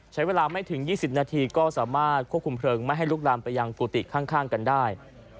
ใช้เวลาไม่ถึง๒๐นาทีก็สามารถควบคุมเพลิงไม่ให้ลุกลามไปยังกุฏิข้างกันได้